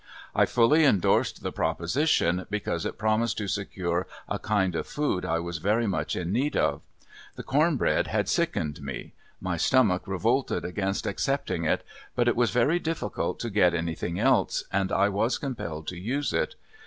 I fully endorsed the proposition, because it promised to secure a kind of food I was very much in need of. The corn bread had sickened me; my stomach revolted against accepting it, but it was very difficult to get anything else, and I was compelled to use it.